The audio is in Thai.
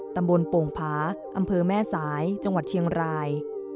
โป่งผาอำเภอแม่สายจังหวัดเชียงราย